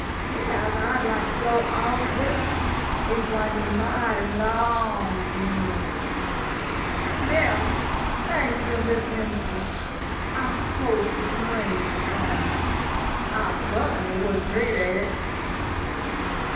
Yas, I 'd like to go all day — it 's gwine be mighty long funeral. Yas 'm — thank yo' — Miss Winston, I hope yo' can 'range it fo' me. I sut'nly would 'predate it.